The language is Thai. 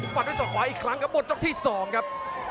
กวัดด้วยส่วนขวาอีกครั้งครับบทยกที่สองครับ